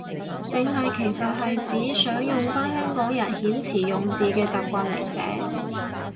定係其實係指想用返香港人遣詞用字嘅習慣嚟寫？